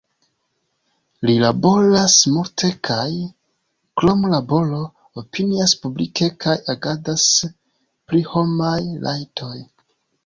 Li laboras multe kaj, krom laboro, opinias publike kaj agadas pri homaj rajtoj.